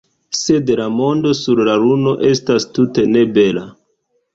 Sed la mondo sur luno estas tute ne bela.